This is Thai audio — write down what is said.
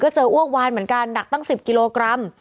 เจออ้วกวานเหมือนกันหนักตั้ง๑๐กิโลกรัม